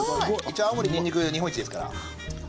一応青森にんにく日本一ですから。